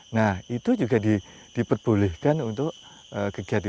nah itu juga diperbolehkan untuk kegiatan